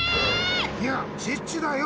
いやチッチだよ！